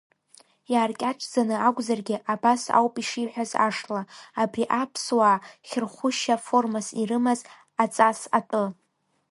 Иааркьаҿӡаны акәзаргьы, абас ауп ишиҳәаз ашла, абри аԥсуаа хьырхәышьа формас ирымаз аҵас атәы.